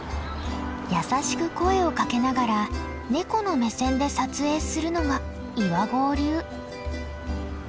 優しく声をかけながらネコの目線で撮影するのが岩合流。